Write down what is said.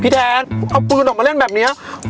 แทนเอาปืนออกมาเล่นแบบนี้